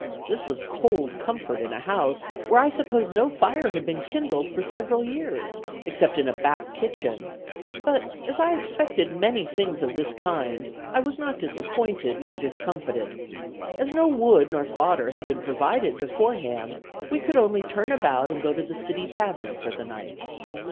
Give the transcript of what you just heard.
This was cold comfort in a house, where I suppose no fire had been kindled for several years, except in a back kitchen; but, as I expected many things of this kind, I was not disappointed nor discomfited. As no wood nor fodder had been provided before hand, we could only turn about, and go to the City Tavern for the night.